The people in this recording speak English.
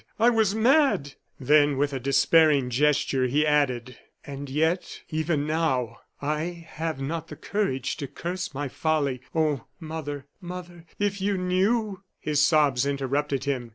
I was mad!" Then, with a despairing gesture, he added: "And yet, even now, I have not the courage to curse my folly! Oh, mother, mother, if you knew " His sobs interrupted him.